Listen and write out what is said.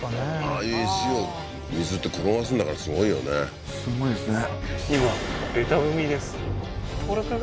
ああいう石を水って転がすんだからすごいよねすごいですね